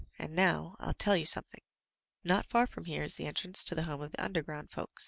"And now, I'll tell you some thing. Not far from here is the entrance to the home of the underground folks.